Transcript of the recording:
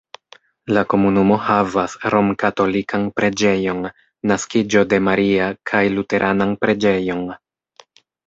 La komunumo havas romkatolikan preĝejon Naskiĝo de Maria kaj luteranan preĝejon.